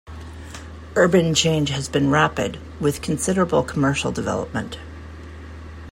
Urban change has been rapid, with considerable commercial developmen.